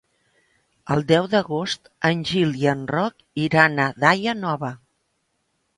El deu d'agost en Gil i en Roc iran a Daia Nova.